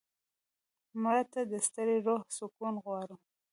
مړه ته د ستړي روح سکون غواړو